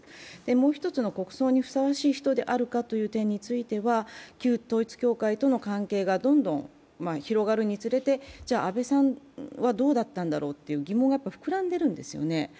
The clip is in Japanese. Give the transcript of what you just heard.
もう１つの国葬にふさわしい人であるかという点については旧統一教会との関係がどんどん広がるにつれて安倍さんはどうだったんだろうという疑問が膨らんでいるんですよね。